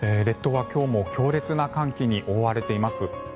列島は今日も強烈な寒気に覆われています。